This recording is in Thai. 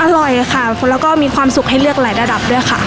อร่อยค่ะแล้วก็มีความสุขให้เลือกหลายระดับด้วยค่ะ